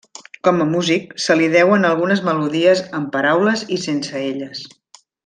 Com a músic, se li deuen algunes melodies amb paraules i sense elles.